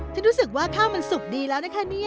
ฉันรู้สึกว่าข้าวมันสุกดีแล้วนะคะเนี่ย